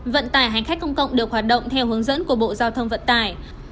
vận tải hành khách công cộng được hoạt động theo hướng dẫn của bộ giao thông vận tải